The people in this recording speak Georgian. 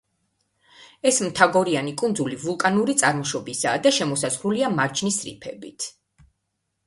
ეს მთაგორიანი კუნძული ვულკანური წარმოშობისაა და შემოსაზღვრულია მარჯნის რიფებით.